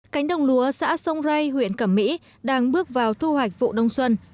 cánh đồng lúa xã sông rây huyện cẩm mỹ đang bước vào thu hoạch vụ đông xuân